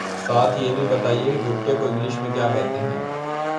ساتھ یہ بھی بتائیے کہ گٹکے کو انگلش میں کیا کہتے ہیں